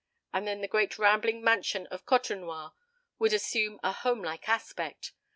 And then the great rambling mansion of Côtenoir would assume a home like aspect.